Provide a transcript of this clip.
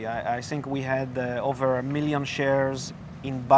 saya pikir kami memiliki lebih dari satu juta pengguna